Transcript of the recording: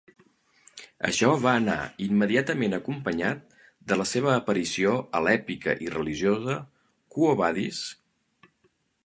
Això va anar immediatament acompanyat de la seva aparició a l'èpica i religiosa Quo Vadis?.